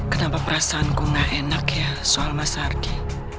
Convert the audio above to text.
kenapa perasaanku gak enak ya soal mas ardi